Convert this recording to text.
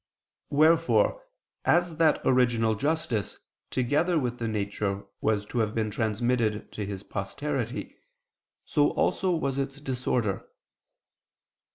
Wherefore as that original justice together with the nature was to have been transmitted to his posterity, so also was its disorder.